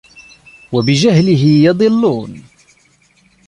وَبِجَهْلِهِ يَضِلُّونَ